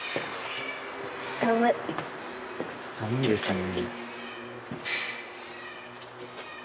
寒いですね。